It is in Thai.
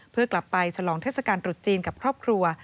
เพื่อกลับไปฉลองเทศกาลตรุษจีนกับครอบครัว